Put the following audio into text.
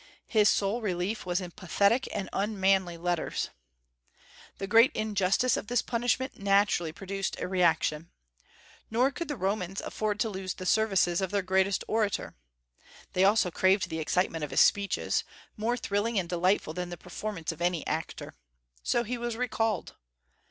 His sole relief was in pathetic and unmanly letters. The great injustice of this punishment naturally produced a reaction. Nor could the Romans afford to lose the services of their greatest orator. They also craved the excitement of his speeches, more thrilling and delightful than the performance of any actor. So he was recalled.